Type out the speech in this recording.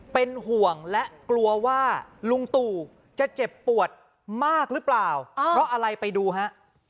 เป็นห่วงและกลัวว่าลุงตู่จะเจ็บปวดมากหรือเปล่าเพราะอะไรไปดูฮะ